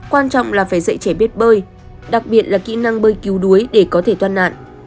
quan trọng là phải dạy trẻ biết bơi đặc biệt là kỹ năng bơi cứu đuối để có thể thoát nạn